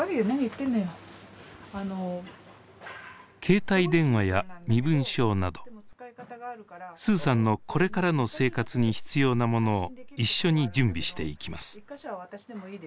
携帯電話や身分証などスーさんのこれからの生活に必要なものを一緒に準備していきます。